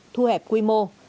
thu hẹp quy mô